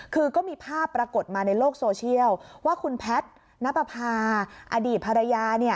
คือก็มีภาพปรากฏมาในโลกโซเชียลว่าคุณแพทย์นับประพาอดีตภรรยา